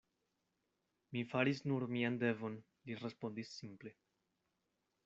Mi faris nur mian devon, li respondis simple.